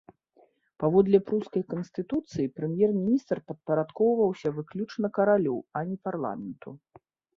Паводле прускай канстытуцыі, прэм'ер-міністр падпарадкоўваўся выключна каралю, а не парламенту.